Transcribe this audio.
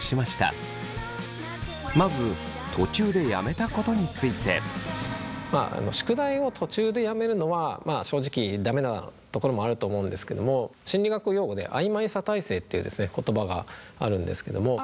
まずまあ宿題を途中でやめるのはまあ正直駄目なところもあると思うんですけども。っていう言葉があるんですけども。